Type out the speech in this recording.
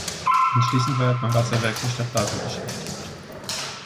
Anschließend war er beim Wasserwerk der Stadt Basel beschäftigt.